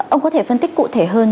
ông có thể phân tích cụ thể hơn